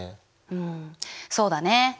うんそうだね。